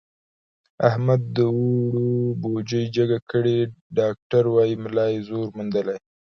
احمد د اوړو بوجۍ جګه کړې، ډاکټران وایي ملا یې زور موندلی.